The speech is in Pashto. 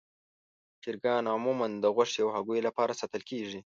چرګان عموماً د غوښې او هګیو لپاره ساتل کېږي.